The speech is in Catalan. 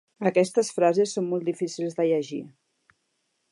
Aquestes frases són molt difícils de llegir.